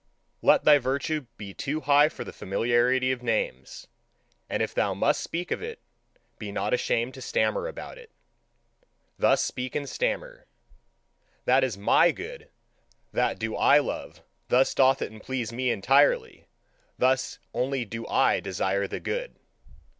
Let thy virtue be too high for the familiarity of names, and if thou must speak of it, be not ashamed to stammer about it. Thus speak and stammer: "That is MY good, that do I love, thus doth it please me entirely, thus only do I desire the good.